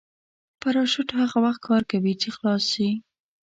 پراشوټ هغه وخت کار کوي چې خلاص شي.